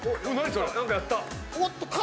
何かやった！